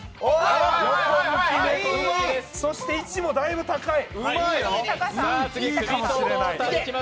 そして位置もだいぶ高い。